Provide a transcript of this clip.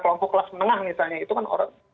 kelompok kelas menengah misalnya itu kan orang